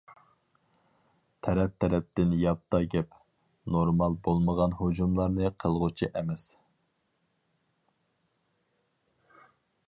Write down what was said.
تەرەپ-تەرەپتىن ياپتا گەپ، نورمال بولمىغان ھۇجۇملارنى قىلغۇچى ئەمەس.